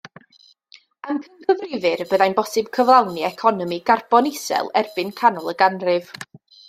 Amcangyfrifir y byddai'n bosib cyflawni economi carbon isel erbyn canol y ganrif.